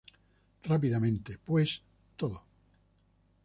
Rápidamente, pues, todo.